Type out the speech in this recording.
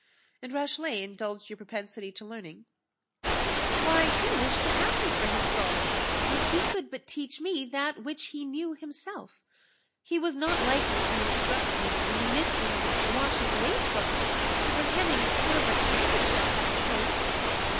"And Rashleigh indulged your propensity to learning?" "Why, he wished to have me for his scholar, and he could but teach me that which he knew himself he was not likely to instruct me in the mysteries of washing lace ruffles, or hemming cambric handkerchiefs, I suppose."